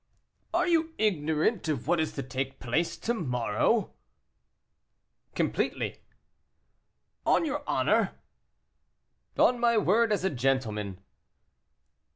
"Are you ignorant of what is to take place to morrow?" "Completely." "On your honor?" "On my word as a gentleman."